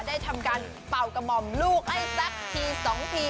ได้ทำการเป่ากระหม่อมลูกให้สักที๒ที